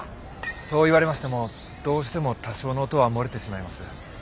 そう言われましてもどうしても多少の音は漏れてしまいます。